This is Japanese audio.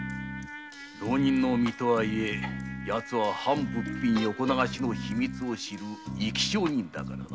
浪人の身とはいえやつは藩物品横流しの秘密を知る生き証人だからな。